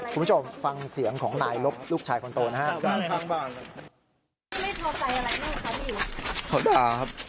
คุณผู้ชมฟังเสียงของนายลบลูกชายคนโตนะครับ